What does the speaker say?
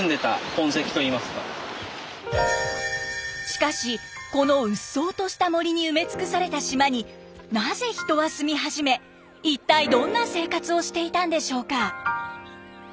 しかしこのうっそうとした森に埋め尽くされた島になぜ人は住み始め一体どんな生活をしていたんでしょうか。